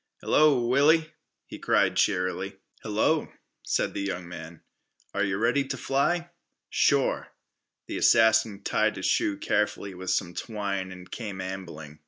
"Hello, Willie," he cried cheerily. "Hello," said the young man. "Are yeh ready t' fly?" "Sure." The assassin tied his shoe carefully with some twine and came ambling.